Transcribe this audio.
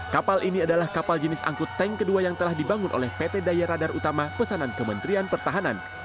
kapal ini adalah kapal jenis angkut tank kedua yang telah dibangun oleh pt daya radar utama pesanan kementerian pertahanan